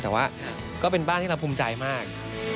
แต่ว่าก็เป็นบ้านที่เราภูมิใจมาก